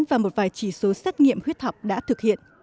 và một vài chỉ số xét nghiệm huyết học đã thực hiện